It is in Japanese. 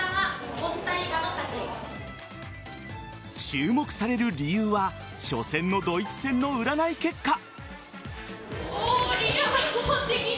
注目される理由は初戦のドイツ戦の占い結果。